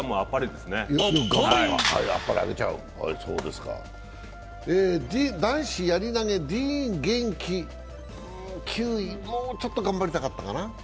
で、男子やり投、ディーン元気が９位、もうちょっと頑張りたかったかな。